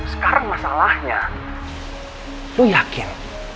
sekarang masalahnya lo yakin